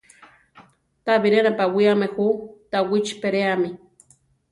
Ta biré napawiáme jú Tawichi peréami.